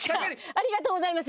ありがとうございます。